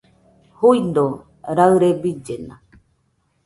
Juido, raɨre billena